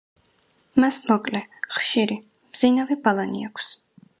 მას მოკლე, ხშირი, მბზინავი ბალანი აქვს.